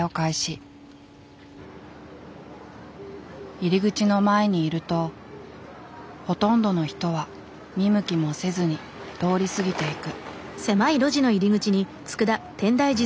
入り口の前にいるとほとんどの人は見向きもせずに通り過ぎていく。